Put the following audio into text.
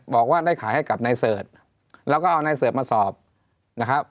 บอกว่าได้ขายให้กับนายเสิร์ชแล้วก็เอานายเสิร์ฟมาสอบนะครับ